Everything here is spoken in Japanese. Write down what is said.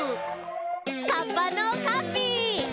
かっぱのカピイ！